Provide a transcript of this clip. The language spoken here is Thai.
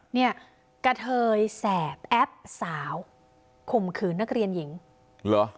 เนี่ยกระเทยแสบแอปสาวข่มขืนนักเรียนหญิงเหรอ